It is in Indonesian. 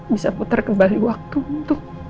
bisa putar kembali waktu untuk